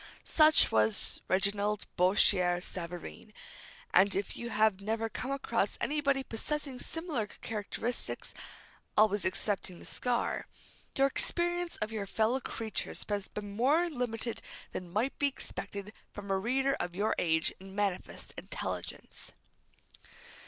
Such was Reginald Bourchier Savareen, and if you have never come across anybody possessing similar characteristics always excepting the scar your experience of your fellow creatures has been more limited than might be expected from a reader of your age and manifest intelligence.